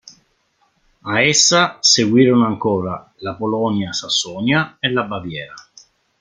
A essa seguirono ancora la Polonia-Sassonia e la Baviera.